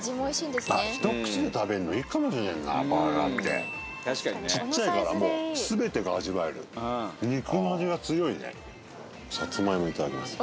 あっ一口で食べんのいいかもしれんなバーガーってちっちゃいからもう全てが味わえる肉の味が強いねさつまいもいただきます